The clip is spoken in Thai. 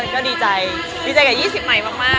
ก็ดีใจดีใจกับ๒๐ใหม่มาก